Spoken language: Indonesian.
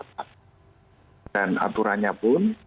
dan aturannya pun